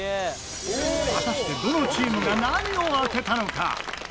果たしてどのチームが何を当てたのか？